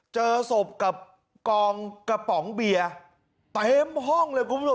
เจอศพกับกองกระป๋องเบียร์เต็มห้องเลยคุณผู้ชม